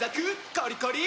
コリコリ！